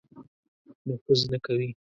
نفوذ نه کوي.